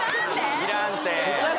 「いらんて」